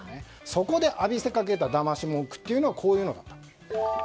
そこで浴びせかけただまし文句がこういうものだった。